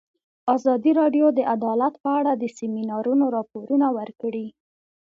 ازادي راډیو د عدالت په اړه د سیمینارونو راپورونه ورکړي.